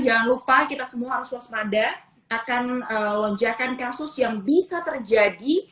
jangan lupa kita semua harus waspada akan lonjakan kasus yang bisa terjadi